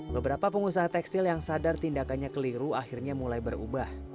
beberapa pengusaha tekstil yang sadar tindakannya keliru akhirnya mulai berubah